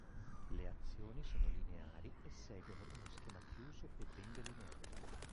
Le azioni sono lineari e seguono uno schema chiuso e ben delineato.